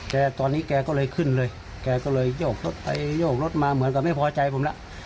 แกตอนนี้แกก็เลยขึ้นเลยแกก็เลยโยกรถไปโยกรถมาเหมือนกับไม่พอใจผมแล้ว